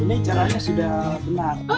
ini caranya sudah benar